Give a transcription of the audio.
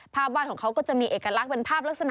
บ้านของเขาก็จะมีเอกลักษณ์เป็นภาพลักษณะ